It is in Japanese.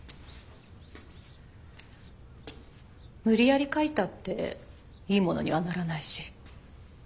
無理やり描いたっていいものにはならないし。